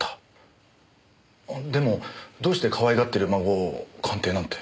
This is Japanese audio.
でもどうしてかわいがってる孫を鑑定なんて？